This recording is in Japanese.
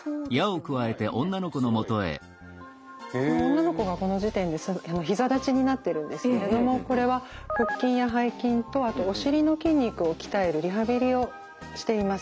女の子がこの時点で膝立ちになってるんですけれどもこれは腹筋や背筋とあとおしりの筋肉を鍛えるリハビリをしています。